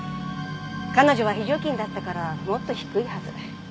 彼女は非常勤だったからもっと低いはず。